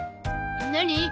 何？